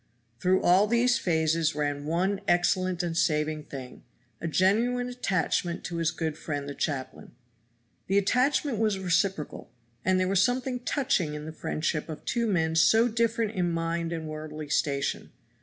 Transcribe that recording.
Through all these phases ran one excellent and saving thing, a genuine attachment to his good friend the chaplain. The attachment was reciprocal, and there was something touching in the friendship of two men so different in mind and worldly station.